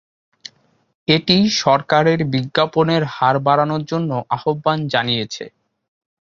এটি সরকারের বিজ্ঞাপনের হার বাড়ানোর জন্য আহ্বান জানিয়েছে।